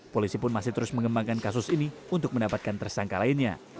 polisi pun masih terus mengembangkan kasus ini untuk mendapatkan tersangka lainnya